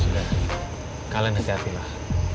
sudah kalian hati hatilah